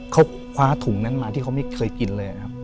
เขาคว้าถุงนั้นมาที่เขาไม่เคยกินเลยนะครับ